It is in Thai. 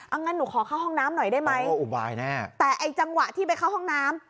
เอางั้นหนูขอเข้าห้องน้ำหน่อยได้ไหมอุบายแน่แต่ไอ้จังหวะที่ไปเข้าห้องน้ำ